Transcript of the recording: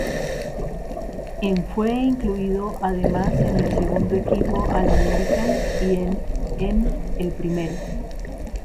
En fue incluido además en el segundo equipo All-American, y en en el primero.